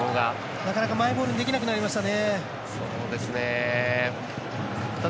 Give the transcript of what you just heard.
なかなかマイボールにできなくなりましたね。